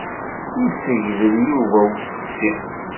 Yessegdel Yuba i useqsi.